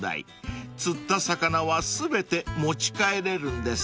［釣った魚は全て持ち帰れるんですって］